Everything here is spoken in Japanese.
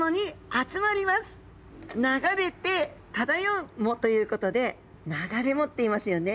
流れて漂う藻ということで流れ藻っていいますよね。